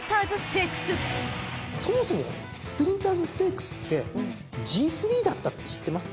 そもそもスプリンターズステークスってＧⅢだったって知ってます？